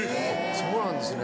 そうなんですね。